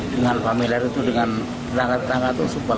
dengan familiar itu dengan terang terang itu supel